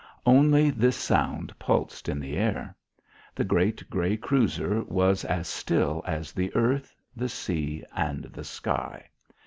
Only this sound pulsed in the air. The great grey cruiser was as still as the earth, the sea, and the sky.